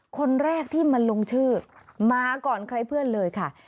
คนแรกที่มาลงชื่อมาก่อนใครเพื่อนเลยค่ะ